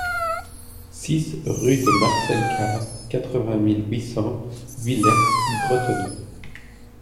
six rue de Marcelcave, quatre-vingt mille huit cents Villers-Bretonneux